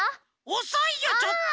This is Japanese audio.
おそいよちょっと。